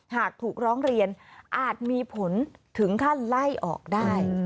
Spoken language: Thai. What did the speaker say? หากถูกร้องเรียนอาจมีผลถึงขั้นไล่ออกได้